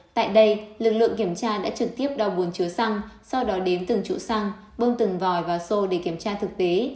tại đây lực lượng kiểm tra đã trực tiếp đo buồn chứa xăng sau đó đếm từng chủ xăng bơm từng vòi vào xô để kiểm tra thực tế